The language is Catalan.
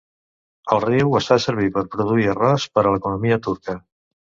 El riu es fa servir per produir arròs per a l'economia turca.